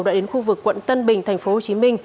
đã đến khu vực quận tân bình tp hcm